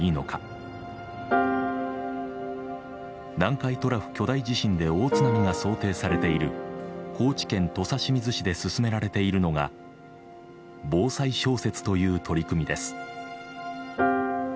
南海トラフ巨大地震で大津波が想定されている高知県土佐清水市で進められているのが「防災小説」という取り組みです。